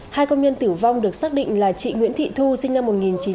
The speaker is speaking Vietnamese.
hai công nhân tử vong được xác định là chị nguyễn thị thu sinh năm một nghìn chín trăm tám mươi